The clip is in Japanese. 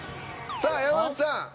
さあ山内さん。